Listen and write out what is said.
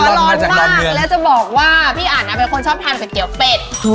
และจะบอกว่าพี่อันก็ชอบก๋วยเตี๋ยวเป็ด